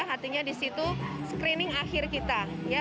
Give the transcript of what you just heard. artinya di situ screening akhir kita